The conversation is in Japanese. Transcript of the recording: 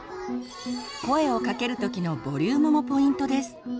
声をかける時のボリュームもポイントです。